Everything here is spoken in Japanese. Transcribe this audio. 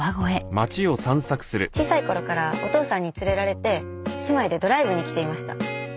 小さい頃からお父さんに連れられて姉妹でドライブに来ていました。